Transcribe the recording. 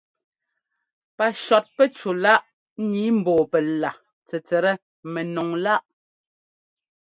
Pacɔtpɛcúláꞌ nǐi ḿbɔ́ɔ pɛla tsɛtsɛt mɛnɔŋláꞌ.